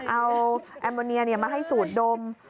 เอาแอมโมเนียมาให้สูดดม